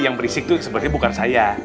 yang berisik itu sebenarnya bukan saya